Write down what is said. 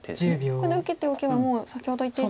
ここで受けておけばもう先ほど言っていた。